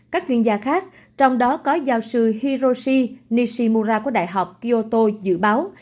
các chuyên gia khác trong đó có giáo sư hiroshi nishimura của đại học kioto dự báo